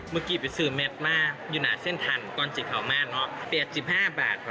เมื่อกี้ไปซื้อเม็ดมากอยู่หน้าเส้นทันก้อนจิกขาวมากเนอะ